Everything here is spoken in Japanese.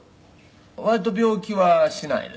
「割と病気はしないですね」